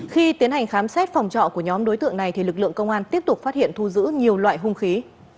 khi tiến hành khám xét phòng trọ của nhóm đối tượng này thì lực lượng công an tiếp tục phát hiện thu giữ nhiều loại hung khí